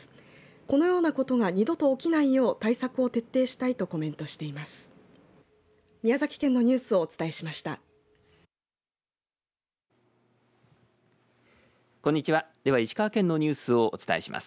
このようなことが二度と起きないよう対策を徹底したいとコメントしています。